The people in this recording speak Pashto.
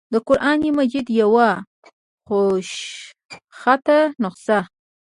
دَقرآن مجيد يوه خوشخطه نسخه